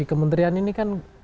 di kementerian ini kan